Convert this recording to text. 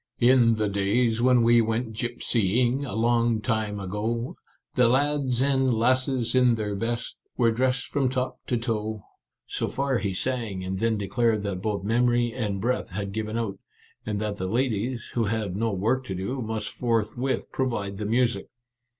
" In the days when we went gypsying, A long time ago, The lads and lasses in their best Were dressed from top to toe —" So far he sang, and then declared that both memory and breath had given out, and that the ladies, who had no work to do, must forth with provide the music.